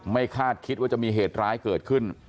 คาดคิดว่าจะมีเหตุร้ายเกิดขึ้น